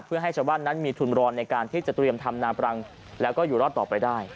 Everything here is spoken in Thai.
เพื่อให้ชาวบ้านนั้นมีทุนรอนในการที่จะเตรียมทำนาปรังแล้วก็อยู่รอดต่อไปได้